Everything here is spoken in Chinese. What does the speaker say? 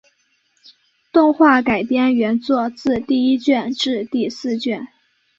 动画改编原作自第一卷至第四卷。